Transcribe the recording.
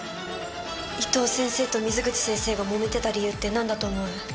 伊藤先生と水口先生がもめてた理由って何だと思う？